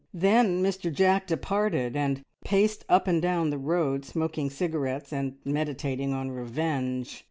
Then Mr Jack departed, and paced up and down the road smoking cigarettes, and meditating on revenge.